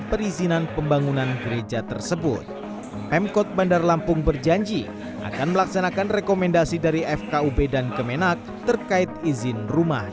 perizinan pembangunan gereja tersebut m code bandar lampung berjanji untuk membuat pemerintahan yang berlebihan kemasan dan memanfaatkan kekasihnya kelas dan keuntungan dan keuntungan dari gereja kelas dan kemasan